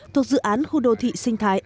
thuộc dự án khu đô thị sinh thái